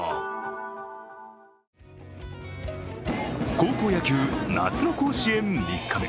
高校野球、夏の甲子園３日目。